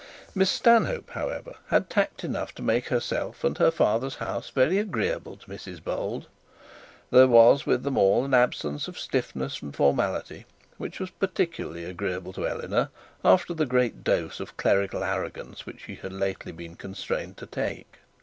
Miss Stanhope, however, had tact enough to make herself and her father's house very agreeable to Mrs Bold. There was with them all an absence of stiffness and formality which was peculiarly agreeable to Eleanor after the great dose of clerical arrogance which she had lately been constrained to take.